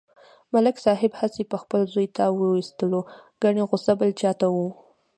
ملک صاحب هسې په خپل زوی تاو و ایستلو کني غوسه بل چاته و.